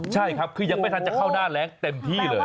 ใช่ครับคือยังไม่ทันจะเข้าหน้าแรงเต็มที่เลย